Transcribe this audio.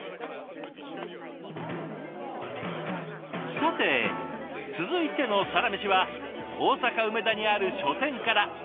さて続いてのサラメシは大阪・梅田にある書店から。